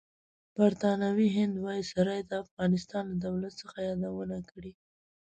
برطانوي هند وایسرای د افغانستان لۀ دولت څخه یادونه کړې.